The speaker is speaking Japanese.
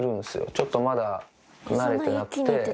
ちょっとまだ慣れてなくて。